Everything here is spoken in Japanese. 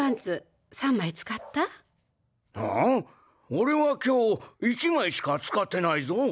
オレは今日１枚しか使ってないぞ。